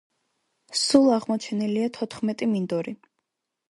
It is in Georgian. სულ აღმოჩენილია თოთხმეტი მინდორი.